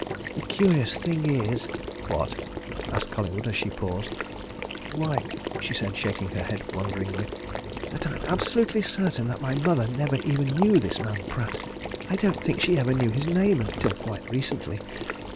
The curious thing is " "What?" asked Collingwood, as she paused. "Why," she said, shaking her head wonderingly, "that I'm absolutely certain that my mother never even knew this man Pratt I don't I think she even knew his name until quite recently.